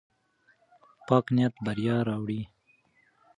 پاک نیت بریا راوړي.